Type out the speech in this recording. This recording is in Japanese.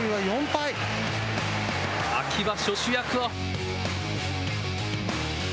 秋場所、主役は。